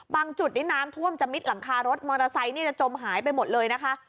จุดนี้น้ำท่วมจะมิดหลังคารถมอเตอร์ไซค์นี่จะจมหายไปหมดเลยนะคะ